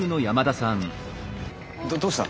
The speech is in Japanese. どどうした？